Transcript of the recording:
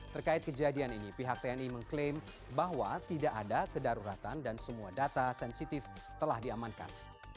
terkait kejadian ini pihak tni mengklaim bahwa tidak ada kedaruratan dan semua data sensitif telah diamankan